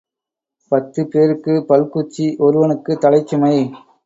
பத்துப்பேருக்குப் பல்குச்சி, ஒருவனுக்குத் தலைச்சுமை.